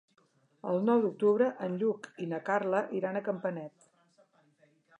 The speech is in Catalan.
El nou d'octubre en Lluc i na Carla iran a Campanet.